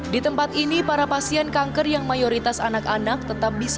di tempat ini para pasien kanker yang mayoritas anak anak tetap bisa